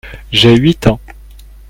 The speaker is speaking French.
J'ai huit ans.